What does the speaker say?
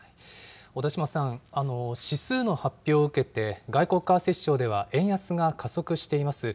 小田島さん、指数の発表を受けて、外国為替市場では円安が加速しています。